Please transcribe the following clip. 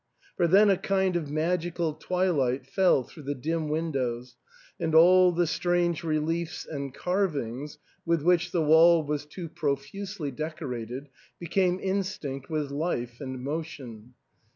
For then a kind of magical twilight fell through the dim windows, and all the strange reliefs and carvings, with which the wall was too profusely decorated, became instinct with life and motion.